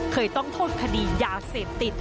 เคยต้องโทษคดียาเสพติด